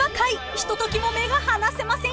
［ひとときも目が離せませんよ］